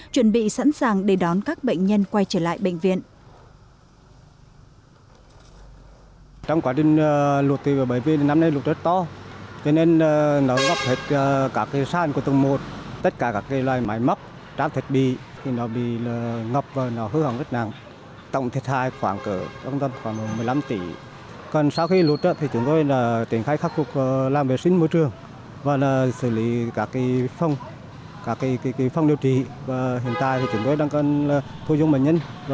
chuẩn bị sẵn sàng để đón các bệnh nhân quay trở lại bệnh viện